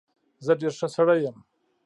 زه ډېر ښه سړى يم.